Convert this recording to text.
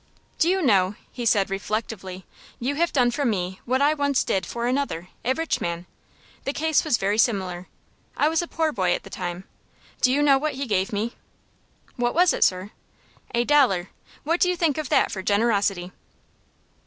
"Do you know," he said, reflectively, "you have done for me what I once did for another a rich man? The case was very similar. I was a poor boy at the time. Do you know what he gave me?" "What was it, sir?" "A dollar! What do you think of that for generosity?"